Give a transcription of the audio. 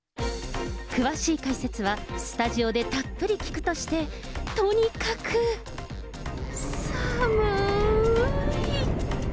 詳しい解説はスタジオでたっぷり聞くとして、とにかく寒い。